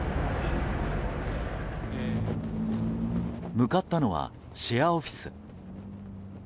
向かったのはシェアオフィス。